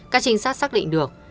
các chính sát xác định được